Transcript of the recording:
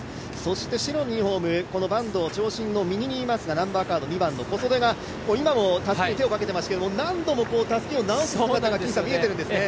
白のユニフォーム、坂東の長針の右にいますが２番の小袖が今もたすきに手をかけていますけど、何度もたすきを直す姿が見えているんですね。